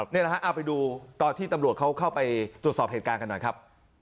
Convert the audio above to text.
นี่แหละฮะเอาไปดูตอนที่ตำรวจเขาเข้าไปตรวจสอบเหตุการณ์กันหน่อยครับ